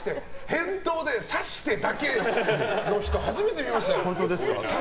返答で「さして」だけの人初めて見ましたよ。